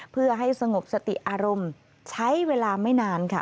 เพื่อให้สงบสติอารมณ์ใช้เวลาไม่นานค่ะ